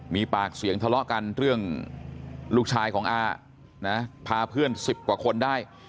มีปากเสียงทะเลาะกันเรื่องลูกชายของอานะพาเพื่อน๑๐กว่าคนได้